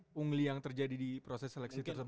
pungguli yang terjadi di proses seleksi tersebut